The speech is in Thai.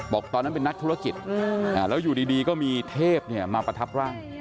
ตอนนั้นเป็นนักธุรกิจแล้วอยู่ดีก็มีเทพมาประทับร่าง